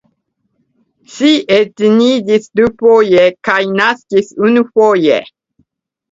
Ŝi edziniĝis dufoje kaj naskis unufoje.